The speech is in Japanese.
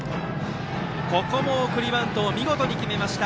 ここも送りバントを見事に決めました。